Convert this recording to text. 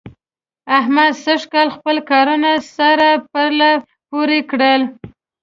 احمد سږکال خپل کارونه سره پرله پورې کړل.